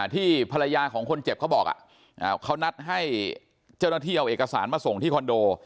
ที่ภรรยาของคนเจ็บเขาบอกเขานัดให้เจ้าหน้าที่เอาเอกสารมาส่งที่คอนโด